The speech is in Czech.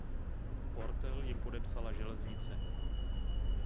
Ortel jim podepsala železnice.